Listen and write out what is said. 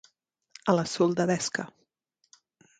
A la soldadesca.